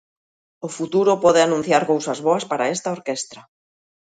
O futuro pode anunciar cousas boas para esta orquestra.